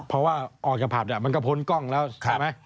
เพราะว่าออยกับผัดมันกระพ้นกล้องแล้วรู้ไหม